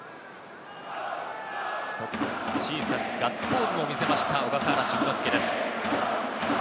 小さくガッツポーズも見せました、小笠原慎之介です。